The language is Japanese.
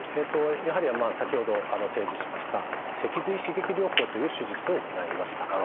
やはり先ほど提示しました「脊髄刺激療法」という手術を行いました。